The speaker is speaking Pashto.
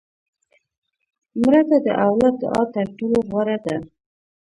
مړه ته د اولاد دعا تر ټولو غوره ده